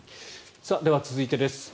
では、続いてです。